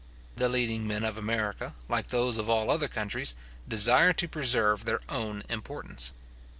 The leading men of America, like those of all other countries, desire to preserve their own importance.